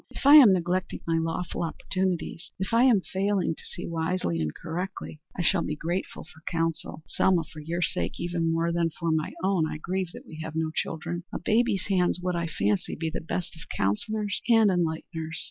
If I am neglecting my lawful opportunities, if I am failing to see wisely and correctly, I shall be grateful for counsel. Ah, Selma, for your sake, even more than for my own, I grieve that we have no children. A baby's hands would, I fancy, be the best of counsellors and enlighteners."